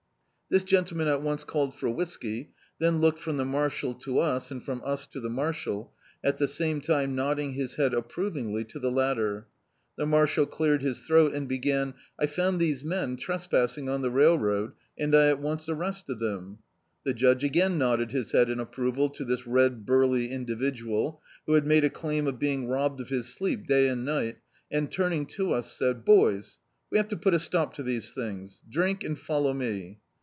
This gen tleman at once called for whiskey, then looked from the marshal to us, and from us to the marshal, at the same time nodding his head approvingly to the latter. The marshal cleared his diroat and began: "I found these men trespassing on the railroad, and at once arrested them." The judge again nodded bis head in approval to this red, burly individual, who had made a claim of being robbed of his sleep day and ni^t, and turning to us said: "Boys, we have to put a stop to these things, drink and follow me."